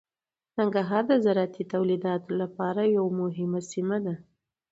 ننګرهار د زراعتي تولیداتو لپاره یوه مهمه سیمه ده.